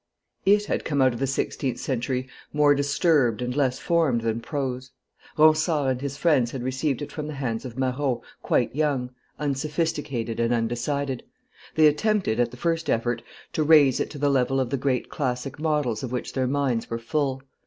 It had come out of the sixteenth century more disturbed and less formed than prose; Ronsard and his friends had received it from the hands of Marot, quite young, unsophisticated and undecided; they attempted, at the first effort, to raise it to the level of the great classic models of which their minds were full.